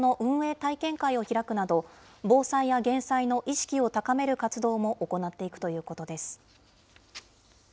体験会を開くなど、防災や減災の意識を高める活動も行っていくということです。